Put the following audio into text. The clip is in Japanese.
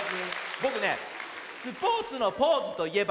ぼくね「スポーツのポーズといえば？」